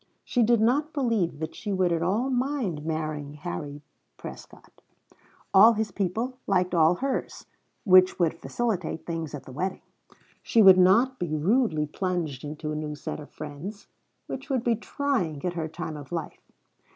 She did not believe that she would at all mind marrying Harry Prescott. All his people liked all hers, which would facilitate things at the wedding; she would not be rudely plunged into a new set of friends, which would be trying at her time of life.